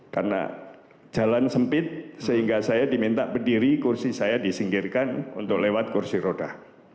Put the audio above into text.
karena jalan sempit sehingga saya diminta berdiri kursi saya disinggirkan untuk lewat kursi roda